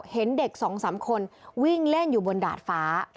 เห็นเด็ก๒๓คนวิ่งเล่นอยู่บนดาดฟ้า